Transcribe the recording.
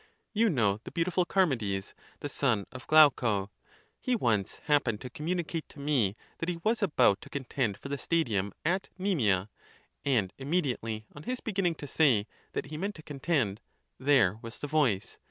You know the beautiful Charmides, the son of Glauco. He once happened to communicate to me that he was about to contend for the stadium? at Nemea; and imme diately, on his beginning to say, that he meant to contend, there was the voice.